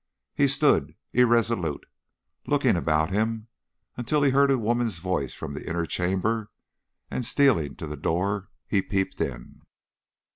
He stood irresolute, looking about him, until he heard a woman's voice from the inner chamber, and stealing to the door he peeped in.